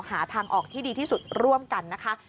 หาทางออกที่ดีที่สุดร่วมกันนะคะ